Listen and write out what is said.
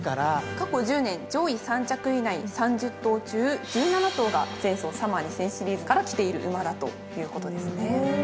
過去１０年上位３着以内３０頭中１７頭が前走サマー２０００シリーズからきている馬だということですね。